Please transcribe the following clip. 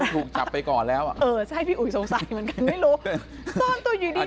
ถูกจับไปก่อนแล้วเออใช่พี่อุ๋ยสงสัยเหมือนกัน